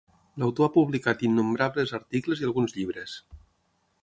L'autor ha publicat innombrables articles i alguns llibres.